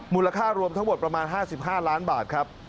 มูลค่ารวมทั้งหมดประมาณ๕๕ล้านบาทครับ